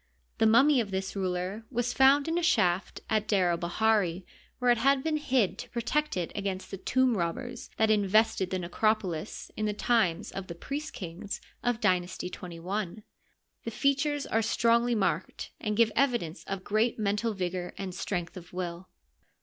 The mummy of this ruler was found in a shaft at D^r el bahiri, where it had been hid to pro tect it against the tomb robbers that invested the necrop olis in the times of the priest kings of Dynasty XXI. The features are strongly marked, and give evidence of great mental vigor and strength of will.